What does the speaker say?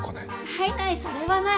ないないそれはない。